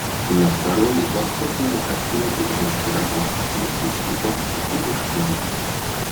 На второй воссозданы картины перевозки рабов, их испытаний и лишений.